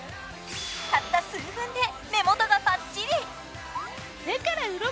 たった数分で目元がパッチリ！